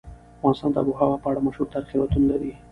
افغانستان د آب وهوا په اړه مشهور تاریخي روایتونه لري.